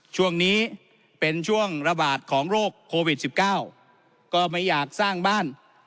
ช่วงนี้เป็นช่วงระบาดของโรคโควิด๑๙ก็ไม่อยากสร้างบ้าน